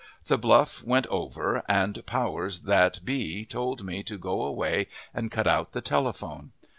The bluff went over and the powers that be told me to go away and cut out the telephone.